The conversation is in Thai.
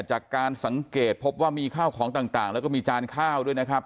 จากการสังเกตพบว่ามีข้าวของต่างแล้วก็มีจานข้าวด้วยนะครับ